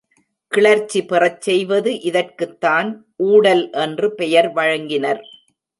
கிளர்ச்சி பெறச் செய்வது இதற்குத்தான் ஊடல் என்று பெயர் வழங்கினர்.